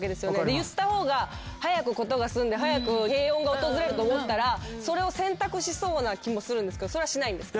言った方が早く事が済んで早く平穏が訪れると思ったらそれを選択しそうな気もするんですけどそれはしないんですか？